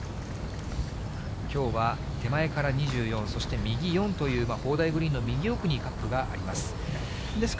きょうは手前から２４、そして右４という、砲台グリーンの右奥にカップがあります。